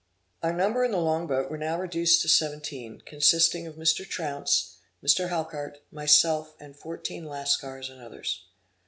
Our number in the long boat were now reduced to seventeen, consisting of Mr. Trounce, Mr. Halkart, myself and 14 Lascars and others.